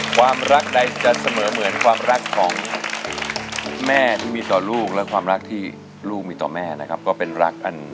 ความรักใดจะเสมอเหมือนความรักของแม่ที่มีต่อลูกและความรักที่ลูกมีต่อแม่นะครับก็เป็นรักอัน